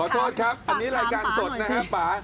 ตรงนี้รายการสดนะครับป่า